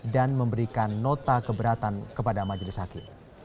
dan memberikan nota keberatan kepada majelis haki